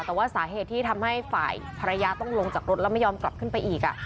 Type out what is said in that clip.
แต่ว่าสาเหตุที่ทำให้ฝ่ายภรรยาต้องลงจากรถแล้วไม่ยอมกลับขึ้นไปอีก